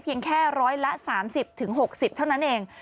เพียงแค่ร้อยละสามสิบถึงหกสิบเท่านั้นเอง